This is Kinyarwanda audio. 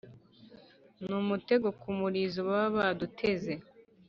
n’umutego ku murizo baba baduteze